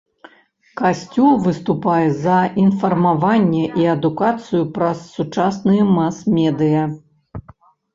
Касцёл выступае за інфармаванне і адукацыю праз сучасныя мас-медыя.